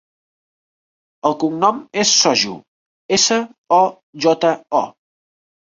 El cognom és Sojo: essa, o, jota, o.